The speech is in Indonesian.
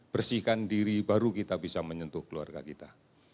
bersihkan diri baru kita bisa menyentuh keluarga kita